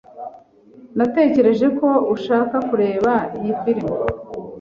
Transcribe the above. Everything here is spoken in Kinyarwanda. Natekereje ko ushaka kureba iyi firime.